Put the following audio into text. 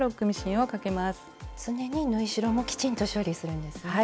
常に縫い代もきちんと処理するんですね。